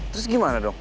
terus gimana dong